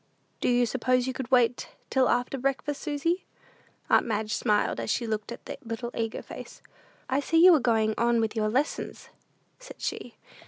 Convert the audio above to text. "Do you suppose you could wait till after breakfast, Susy?" Aunt Madge smiled as she looked at the little eager face. "I see you are going on with your lessons," said she.